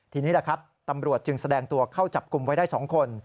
ทีนี้แหละครับตำรวจจึงแสดงตัวเข้าจับกลุ่มไว้ได้๒คน